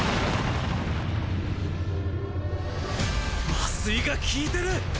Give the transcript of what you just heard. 麻酔が効いてる！